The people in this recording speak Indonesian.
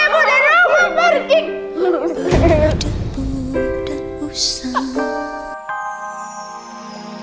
pergi ibu dari rumah pergi